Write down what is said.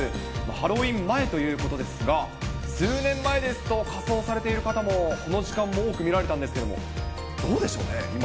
ハロウィーン前ということですが、数年前ですと、仮装されている方も、この時間も多く見られたんですけれども、どうでしょうね、今。